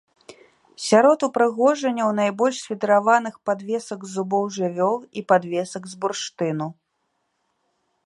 Сярод упрыгожанняў найбольш свідраваных падвесак з зубоў жывёл і падвесак з бурштыну.